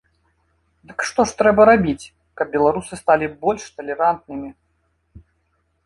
Дык што ж трэба рабіць, каб беларусы сталі больш талерантнымі?